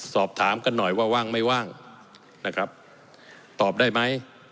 สอบถามกันหน่อยว่าว่างไม่ว่างนะครับตอบได้ไหม